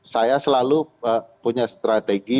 saya selalu punya strategi